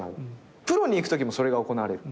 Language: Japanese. プロに行くときにもそれが行われる。